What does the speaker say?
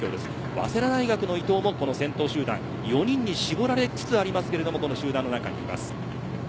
早稲田大学の伊藤も先頭集団４人に絞られつつありますがこの集団の中にいます。